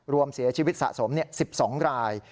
รวมเสียชีวิตสะสม๑๒ราย